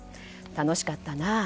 楽しかったなあ。